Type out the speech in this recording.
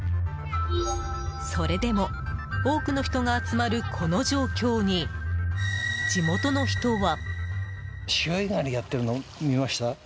それでも多くの人が集まるこの状況に地元の人は。